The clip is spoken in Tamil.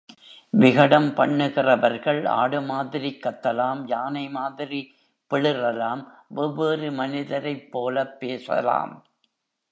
விகடம் பண்ணுகிறவர்கள் ஆடு மாதிரிக் கத்தலாம் யானை மாதிரி பிளிறலாம் வெவ்வேறு மனிதரைப் போலப் பேசலாம்.